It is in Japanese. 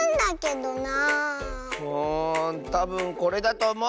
うんたぶんこれだとおもう！